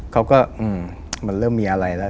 เขาก็มันเริ่มมีอะไรแล้ว